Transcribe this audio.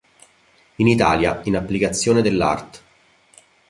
In Italia, in applicazione dell'art.